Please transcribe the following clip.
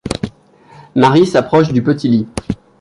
Marie s’approche du petit lit.